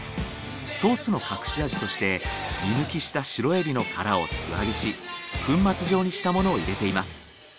ソースの隠し味として身むきしたシロエビの殻を素揚げし粉末状にしたものを入れています。